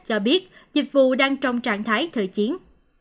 cho biết dịch vụ đang trong trạng thái thời chiến